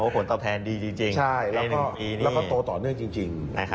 ผลตอบแทนดีจริงแล้วก็โตต่อเนื่องจริง